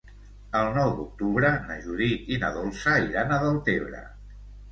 El nou d'octubre na Judit i na Dolça iran a Deltebre.